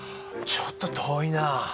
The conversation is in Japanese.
ちょっと遠いな。